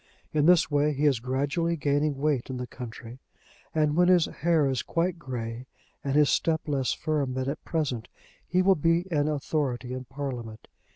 In this way he is gradually gaining weight in the country, and when his hair is quite grey and his step less firm than at present, he will be an authority in Parliament.